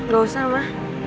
gak usah mah